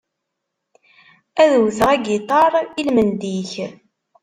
Ad uteɣ agitar i-lmend-ik.